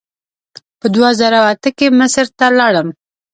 په دوه زره اته کې مصر ته لاړم.